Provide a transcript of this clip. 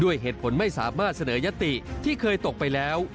เหตุผลไม่สามารถเสนอยติที่เคยตกไปแล้ว